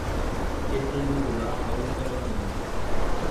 Que conduzirá ao escalonamento